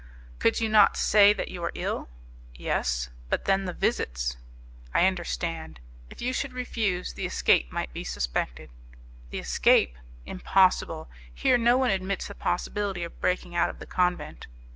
"Could you not say that you are ill?" "Yes; but then the visits!" "I understand; if you should refuse, the escape might be suspected." "The escape! impossible; here no one admits the possibility of breaking out of the convent."